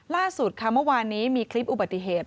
ล่าสุดค่ะเมื่อวานนี้มีคลิปอุบัติเหตุ